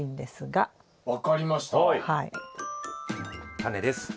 タネです。